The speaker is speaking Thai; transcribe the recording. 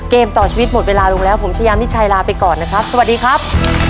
เกมต่อชีวิตหมดเวลาลงแล้วผมชายามิชัยลาไปก่อนนะครับสวัสดีครับ